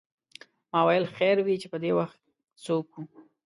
ما ویل خیر وې چې پدې وخت څوک و.